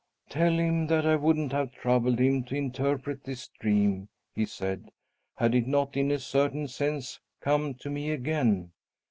"Tell him that I wouldn't have troubled him to interpret this dream," he said, "had it not, in a certain sense, come to me again.